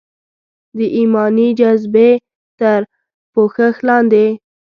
د ایماني جذبې تر پوښښ لاندې.